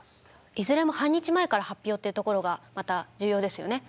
いずれも半日前から発表っていうところがまた重要ですよね。